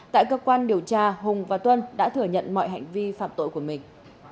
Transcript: tại cơ quan điều tra hùng và tuân đã thừa nhận mọi hành vi phạm tội của mình